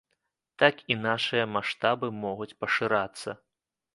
Так і нашыя маштабы могуць пашырацца.